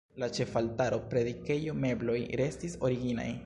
La ĉefaltaro, predikejo, mebloj restis originaj.